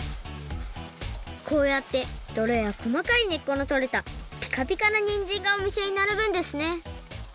こうやってどろやこまかいねっこのとれたピカピカなにんじんがおみせにならぶんですね